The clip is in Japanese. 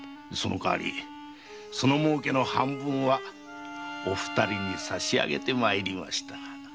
その代わりその儲けの半分はお二人に差し上げて参りました。